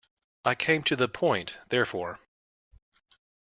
I came to the point, therefore.